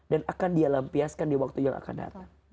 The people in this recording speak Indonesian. dan akan dialampiaskan di waktu yang akan datang